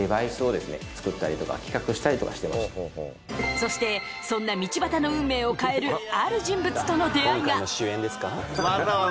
そしてそんな道端の運命を変えるある人物との出会いが。